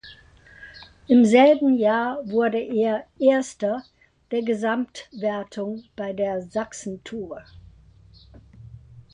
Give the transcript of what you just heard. Im selben Jahr wurde er Erster der Gesamtwertung bei der Sachsen-Tour.